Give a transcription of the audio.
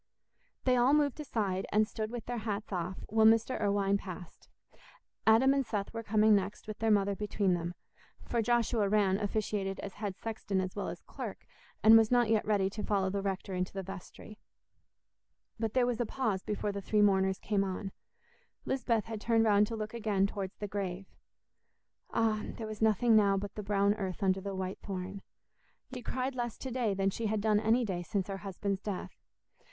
They all moved aside, and stood with their hats off, while Mr. Irwine passed. Adam and Seth were coming next, with their mother between them; for Joshua Rann officiated as head sexton as well as clerk, and was not yet ready to follow the rector into the vestry. But there was a pause before the three mourners came on: Lisbeth had turned round to look again towards the grave! Ah! There was nothing now but the brown earth under the white thorn. Yet she cried less to day than she had done any day since her husband's death.